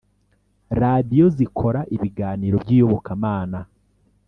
radio zikora ibiganiro by’iyobokamana…